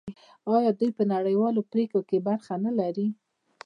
آیا دوی په نړیوالو پریکړو کې برخه نلري؟